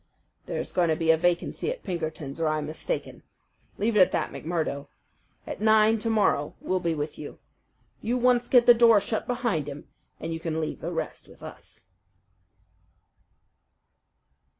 "There's going to be a vacancy at Pinkerton's or I'm mistaken. Leave it at that, McMurdo. At nine to morrow we'll be with you. You once get the door shut behind him, and you can leave the rest with us."